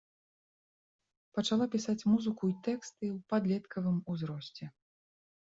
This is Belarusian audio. Пачала пісаць музыку і тэксты ў падлеткавым узросце.